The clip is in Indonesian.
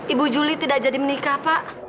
ibu juli tidak jadi menikah pak